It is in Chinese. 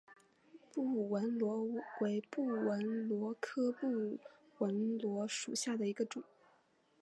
布纹螺为布纹螺科布纹螺属下的一个种。